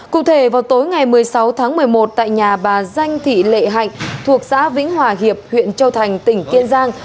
cụ thể vào tối ngày một mươi sáu tháng một mươi một tại nhà bà danh thị lệ hạnh thuộc xã vĩnh hòa hiệp huyện châu thành tỉnh kiên giang